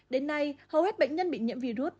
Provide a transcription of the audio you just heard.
đến nay hầu hết bệnh nhân bị nhiễm virus